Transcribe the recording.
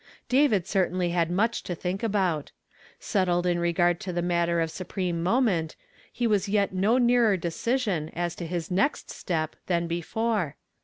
David certainly had much to think about. Settled in regard to the matter of su preme moment, he was yet no nearer decision as to his next step than before.